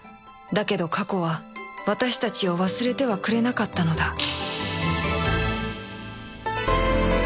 だけど過去は私たちを忘れてはくれなかったのだ